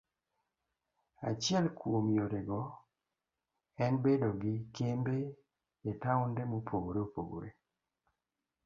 Achiel kuom yorego en bedo gi kembe e taonde mopogore opogore.